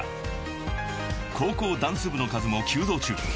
［高校ダンス部の数も急増中］